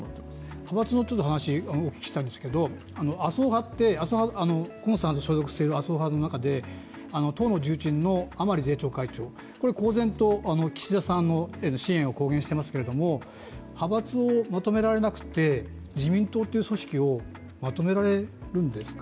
派閥の話をお聞きしたいんですけど河野さんが所属している麻生派の中で党の重鎮の甘利税調会長、これは公然と岸田さんへの支援を公言していますけれども派閥をまとめられなくて自民党という組織をまとめられるんですか？